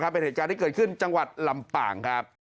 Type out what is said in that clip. เป็นเหตุการณ์ที่เกิดขึ้นจังหวัดลำปางครับ